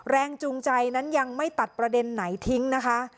แรงจูงใจนั้นยังไม่ตัดประเด็นไหนทิ้งนะคะ